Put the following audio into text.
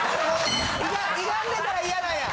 歪んでたら嫌なんや。